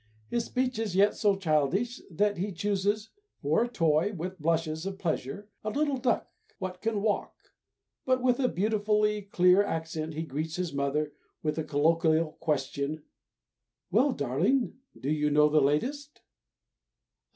His speech is yet so childish that he chooses, for a toy, with blushes of pleasure, "a little duck what can walk"; but with a beautifully clear accent he greets his mother with the colloquial question, "Well, darling, do you know the latest?"